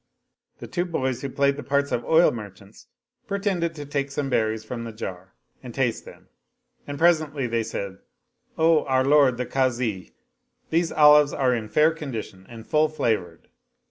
The two boys who played the parts of oil merchants pretended to take some berries from the jar and taste them and presently they said, " O our lord the Kazi, these olives are in fair condition and full flavored."